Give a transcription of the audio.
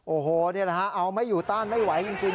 โอ้โหนี่แหละฮะเอาไม่อยู่ต้านไม่ไหวจริง